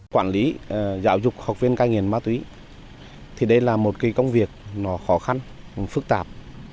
quản lý giáo dục học viên cai nghiện ma túy thì đây là một công việc nó khó khăn phức tạp